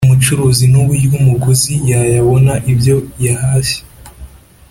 umucuruzi n uburyo umuguzi yayabona ibyo yahashye